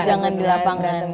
jangan di lapangan